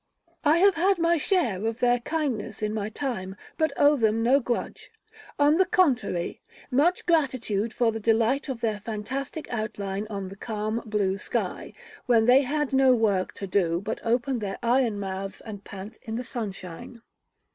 I have had my share of their kindness in my time, but owe them no grudge; on the contrary, much gratitude for the delight of their fantastic outline on the calm blue sky, when they had no work to do but to open their iron mouths and pant in the sunshine.